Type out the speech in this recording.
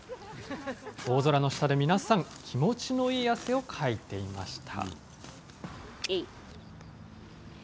大空の下で皆さん、気持ちのいい汗をかいていました。